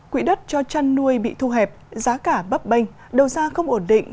quỹ đất cho chăn nuôi bị thu hẹp giá cả bấp bênh đầu ra không ổn định